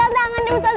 eh jangan jangan jangan